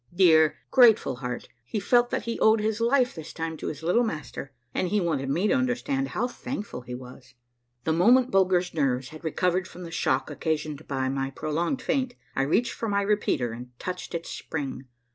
Dear, grateful heart, he felt that he owed his life this time to his little master, and he wanted me to understand how thankful he was. The moment Bulger's nerves had recovered from the shock occasioned by my prolonged faint, I reached for my repeater and touched its spring.